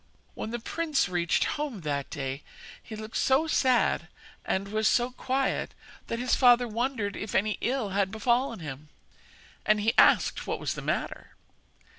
When the prince reached home that day he looked so sad and was so quiet that his father wondered if any ill had befallen him, and asked what was the matter.